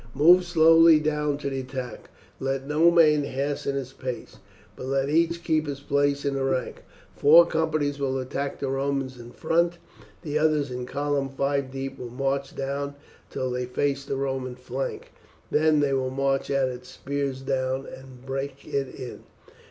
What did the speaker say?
Move slowly down to the attack, let no man hasten his pace, but let each keep his place in the ranks. Four companies will attack the Romans in front, the others in column five deep will march down till they face the Roman flank, then they will march at it, spears down, and break it in."